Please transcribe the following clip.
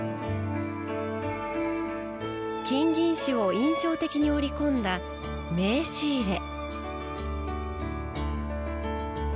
金銀糸を印象的に織り込んだ名刺入れ。